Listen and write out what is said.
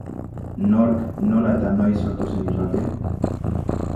Nork, nola eta noiz sortu zen irratia?